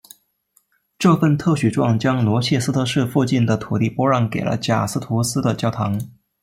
这份特许状将罗切斯特市附近的土地拨让给了贾斯图斯的教堂。